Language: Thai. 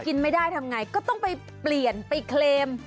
กินไม่ได้ทำไงก็ต้องไปเปลี่ยนไปเคลม